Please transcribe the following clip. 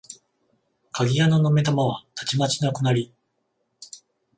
鍵穴の眼玉はたちまちなくなり、